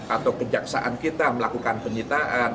atau kejaksaan kita melakukan penyitaan